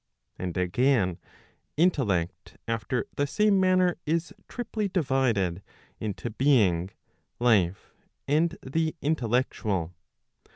And again, intellect after the same manner is triply divided, into being, life, and the intellectual.